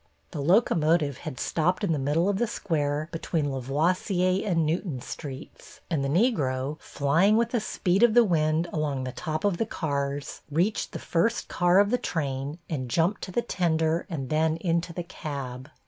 The locomotive had stopped in the middle of the square between La voisier and Newton Streets, and the Negro, flying with the speed of the wind along the top of the cars, reached the first car of the train and jumped to the tender and then into the cab.